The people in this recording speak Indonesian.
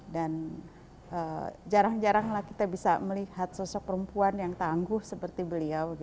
dan jarang jarang lah kita bisa melihat sosok perempuan yang tangguh seperti beliau